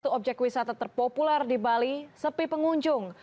satu objek wisata terpopuler di bali sepi pengunjung